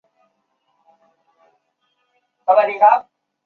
邦奥埃。